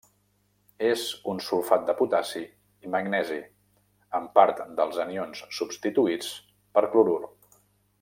És un sulfat de potassi i magnesi, amb part dels anions substituïts per clorur.